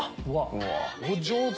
お上手！